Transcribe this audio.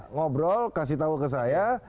ngobrol kasih tahu ke saya